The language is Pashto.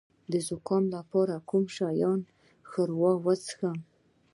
د زکام لپاره د کوم شي ښوروا وڅښم؟